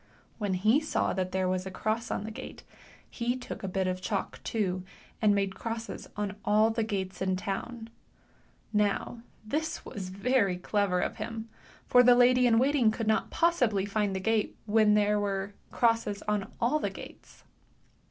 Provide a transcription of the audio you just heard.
When he saw that there was a cross on the gate, he took a bit of chalk, too, and made crosses on all the gates in the town ; now this was very clever of him, for the lady in waiting could not possibly find the gate when there were crosses on all the gates.